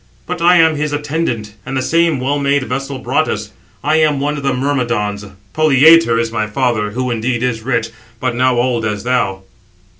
But I am his attendant, and the same well made vessel brought us. I am [one] of the Myrmidons; Polyetor is my father, who, indeed, is rich, but now old as thou.